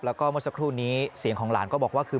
แล้วก็เมื่อสักครู่นี้เสียงของหลานก็บอกว่าคือ